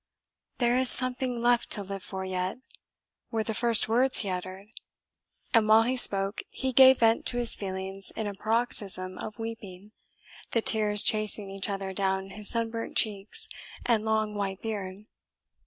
"There is something left to live for yet," were the first words he uttered; and while he spoke, he gave vent to his feelings in a paroxysm of weeping, the tears chasing each other down his sunburnt cheeks and long white beard.